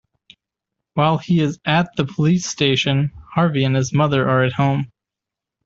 While he is at the police station, Harvey and his mother are at home.